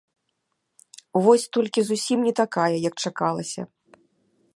Вось толькі зусім не такая, як чакалася.